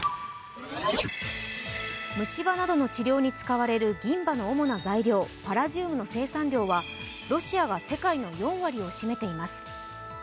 虫歯などの治療に使われる銀歯の主な材料パラジウムの生産量はロシアが世界の４割を占めています。